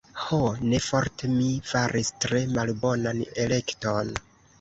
Ho, ne forte, mi faris tre malbonan elekton.